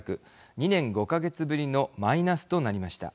２年５か月ぶりのマイナスとなりました。